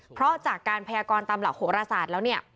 เพราะจากการแพรกรตามเหล่าโหรศาสตร์แล้ว